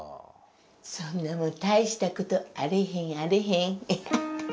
そんなもん大した事あれへんあれへん。